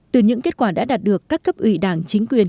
từ những kết quả đã đạt được các cấp ủy đảng chính quyền